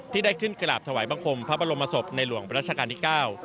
ที่ได้ขึ้นกระหลาบถวายบังคมพระบรมศพในหลวงประราชการที่๙